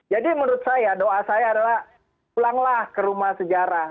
jadi menurut saya doa saya adalah pulanglah ke rumah sejarah